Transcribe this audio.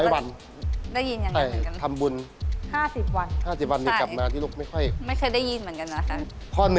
ร้อยวันทำบุญ๕๐วันใช่ไม่เคยได้ยินเหมือนกันนะครับ